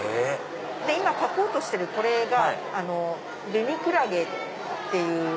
今描こうとしてるこれがベニクラゲっていう。